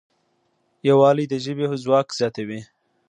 یووالی د ژبې ځواک زیاتوي.